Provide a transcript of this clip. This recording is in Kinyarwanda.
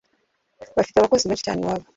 bafite abakozi beshi cyane iwabo